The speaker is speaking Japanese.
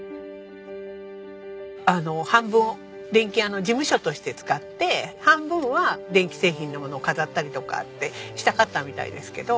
あの半分電気屋の事務所として使って半分は電気製品の物を飾ったりとかってしたかったみたいですけど。